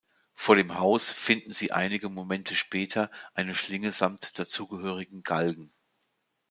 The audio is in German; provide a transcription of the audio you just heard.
Vor dem Haus finden sie einige Momente später eine Schlinge samt dazugehörigem Galgen.